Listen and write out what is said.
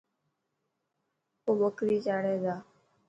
او بڪري چاري تا.